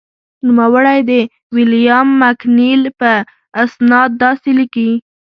نوموړی د ویلیام مکنیل په استناد داسې لیکي.